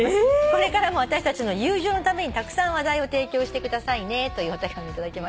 「これからも私たちの友情のためにたくさん話題を提供してくださいね」というお手紙頂きました。